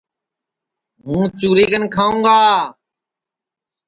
ہوں چُری کن کھاوں گا